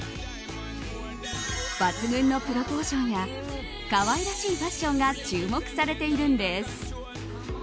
抜群のプロポーションや可愛らしいファッションが注目されているんです。